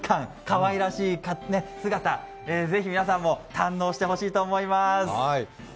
かわいらしい姿、ぜひ皆さんも堪能してほしいと思います。